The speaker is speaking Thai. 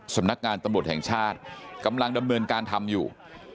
สำนักงานตำรวจแห่งชาติกำลังดำเนินการทำอยู่